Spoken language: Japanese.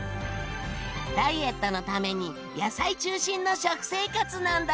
ダイエットのために野菜中心の食生活なんだって。